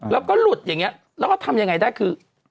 แล้วก็หลุดอย่างนี้แล้วก็ทำยังไงได้คือ